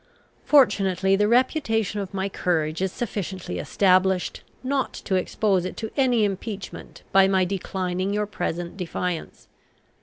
Fortunately, the reputation of my courage is sufficiently established, not to expose it to any impeachment by my declining your present defiance.